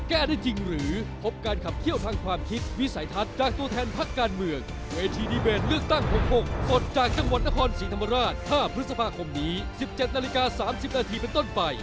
เลือกตั้ง๖คนกดจากจังหวัดนครศรีธรรมราช๕พฤษภาคมนี้๑๗นาฬิกา๓๐นาทีเป็นต้นไป